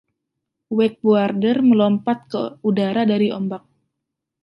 Wakeboarder melompat ke udara dari ombak